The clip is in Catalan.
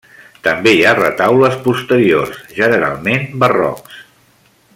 També hi ha retaules posteriors, generalment barrocs.